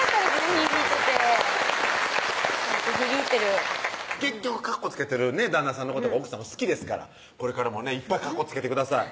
響いててちゃんと響いてる結局かっこつけてる旦那さんのことが奥さま好きですからこれからもねいっぱいかっこつけてください